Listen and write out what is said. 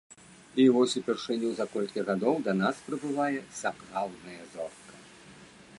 І вось упершыню за колькі гадоў да нас прыбывае сапраўдная зорка.